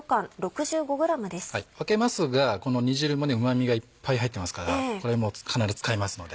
分けますがこの煮汁もうま味がいっぱい入ってますからこれもかなり使えますので。